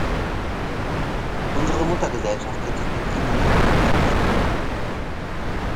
Unsere Muttergesellschaft wird sich mit Ihnen in Verbindung setzen.